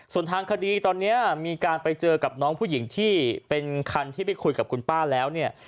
ส่วนทางคดีตอนนี้มีการไปเจอกับน้องผู้หญิงที่เป็นคันที่ไปคุยกับคุณป้าแล้วเนี่ย